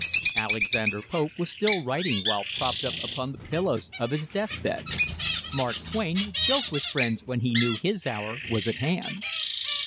Alexander Pope was still writing while propped upon the pillows of his death bed. Mark Twain joked with friends when he knew his hour was at hand.